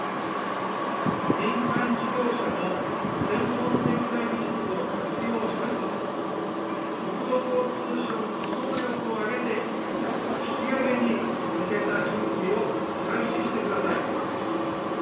民間事業者の専門的な技術を活用しつつ、国土交通省の総力を挙げて、引き揚げに向けた準備を開始してください。